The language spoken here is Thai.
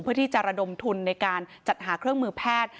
เพื่อที่จะระดมทุนในการจัดหาเครื่องมือแพทย์